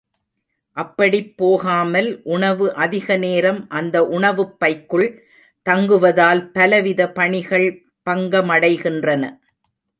அப்படிப் போகாமல் உணவு அதிக நேரம் அந்த உணவுப் பைக்குள் தங்குவதால் பலவித பணிகள் பங்கமடைகின்றன.